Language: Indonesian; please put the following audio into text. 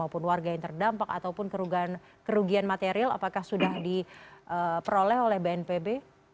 maupun warga yang terdampak ataupun kerugian material apakah sudah diperoleh oleh bnpb